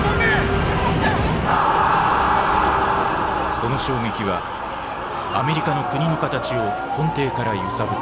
その衝撃はアメリカの国の形を根底から揺さぶった。